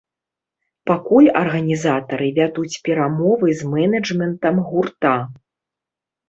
Пакуль арганізатары вядуць перамовы з мэнэджмэнтам гурта.